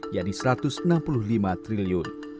yakni rp satu ratus enam puluh lima triliun